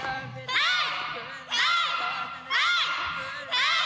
はい！